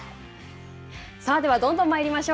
さあではどんどんまいりましょう。